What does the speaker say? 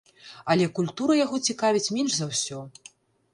Але культура яго цікавіць менш за ўсё.